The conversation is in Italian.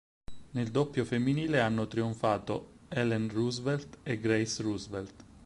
Nel doppio femminile hanno trionfato Ellen Roosevelt e Grace Roosevelt.